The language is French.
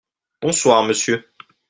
Bonsoir monsieur.